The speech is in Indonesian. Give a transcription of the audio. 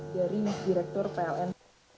dari direktur pln